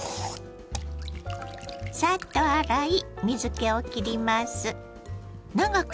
サッと洗い水けをきります。